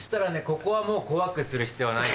ここ怖くする必要ない。